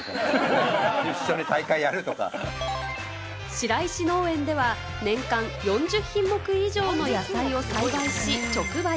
白石農園では年間４０品目以上の野菜を栽培し、直売。